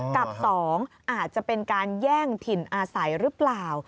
กับ๒อาจจะเป็นการแย่งถิ่นอาศัยหรือเปล่า